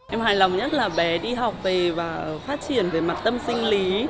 em hài lòng nhất là bé đi học về và phát triển về mặt tâm sinh lý